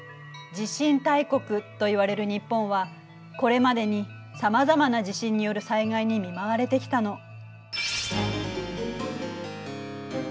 地震大国といわれる日本はこれまでにさまざまな地震による災害に見舞われてきたの。